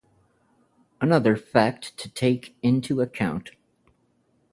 Another fact to take into account.